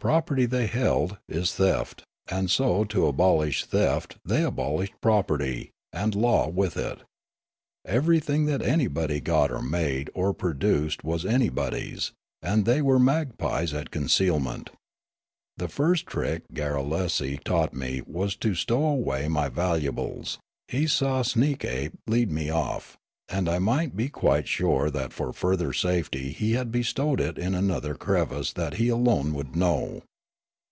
Property, they held, is theft ; and so to abolish theft they abol ished property, and law with it. Everything that anybody got or made or produced was anybody's, and they were magpies at concealment. The first trick Garrulesi taught me was to stow awa}' my valuables ; he saw Sneekape lead me off, and I might be quite sure that for further safety he had bestowed it in another crevice that he alone would know.